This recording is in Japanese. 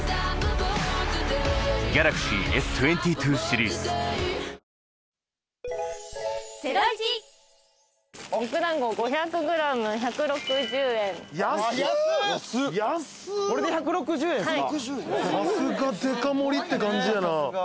さすがデカ盛りって感じやな。